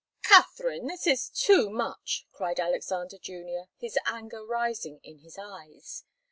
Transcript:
"Katharine! This is too much!" cried Alexander Junior, his anger rising in his eyes.